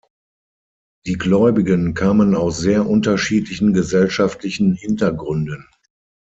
Die Gläubigen kamen aus sehr unterschiedlichen gesellschaftlichen Hintergründen.